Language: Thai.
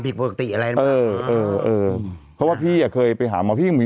พี่หนุ่มไปจัดไหมฮะ